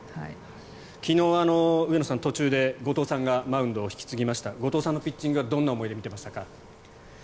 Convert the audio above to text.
昨日、上野さん途中で後藤さんがマウンドを引き継ぎました後藤さんのピッチングはどんな思いで見ていましたか？